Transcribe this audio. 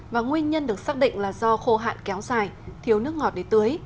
và nguyên nhân được xác định là do khô hạn kéo dài thiếu nước ngọt để tưới